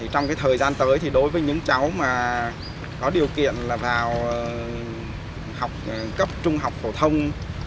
trong thời gian tới đối với những cháu có điều kiện vào cấp trung học phổ thông